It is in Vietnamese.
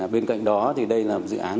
bên cạnh đó thì đây là dự án